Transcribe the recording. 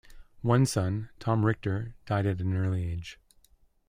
One son, Tom Richter, died at an early age.